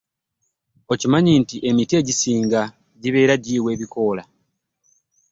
Okimanyi nti emiti egisinga gibeera giyiwa ebokoola.